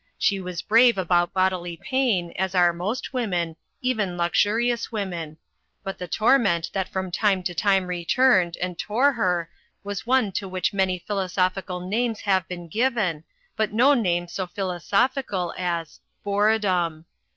She was brave about bodily pain, as are most women, even lux urious women: but the torment that from time to time returned and tore her was one to which many philo sophical names have been given, but no name so philo sophical as Boredom.